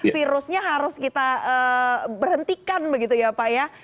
virusnya harus kita berhentikan begitu ya pak ya